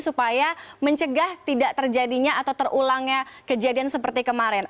supaya mencegah tidak terjadinya atau terulangnya kejadian seperti kemarin